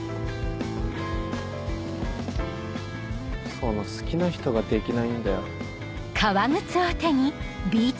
その好きな人ができないんだよ。